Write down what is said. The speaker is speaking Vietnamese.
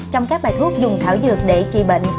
trong các bài thuốc dùng thảo dược để trị bệnh